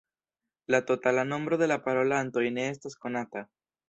La totala nombro de la parolantoj ne estas konata.